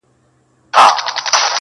په ساز جوړ وم، له خدايه څخه ليري نه وم.